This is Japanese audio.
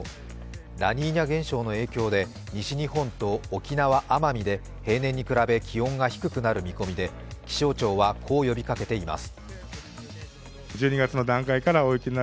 ラニーニャ現象の影響で西日本と沖縄・奄美で平年に比べ気温が低くなる見込みで気象庁はこう呼びかけています。